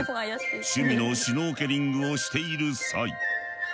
趣味のシュノーケリングをしている際。